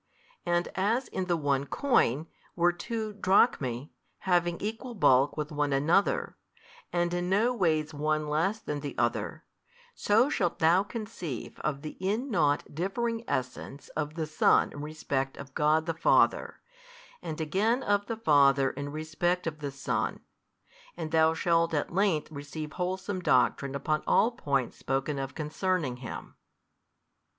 And as in the one coin were two drachmae, having equal bulk with one another, and in no ways one less than the other; so shalt thou conceive of the in nought differing Essence of the Son in respect of God the Father, and again of the Father in respect of the Son, and thou shalt at length receive wholesome doctrine upon all points spoken of concerning Him.